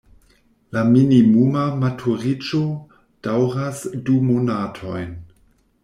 La minimuma maturiĝo daŭras du monatojn.